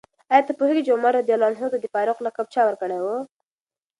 آیا ته پوهېږې چې عمر رض ته د فاروق لقب چا ورکړی و؟